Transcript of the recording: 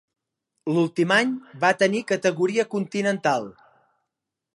L'últim any va tenir categoria Continental.